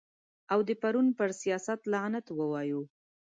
او د پرون پر سیاست لعنت ووایو.